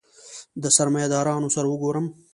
د سرمایه دارانو سره وګورم.